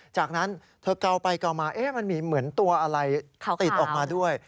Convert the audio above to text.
จากนั้นเธอเกาไปเกามามันมีเหมือนตัวอะไรติดออกมาด้วย